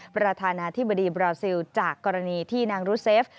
ประธานาธิบดีบราซิลจากกรณีที่นางรุเซฟ